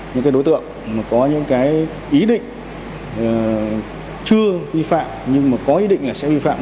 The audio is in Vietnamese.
những cái đối tượng mà có những cái ý định chưa vi phạm nhưng mà có ý định là sẽ vi phạm